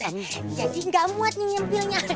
jadi gak muat nih nyempilnya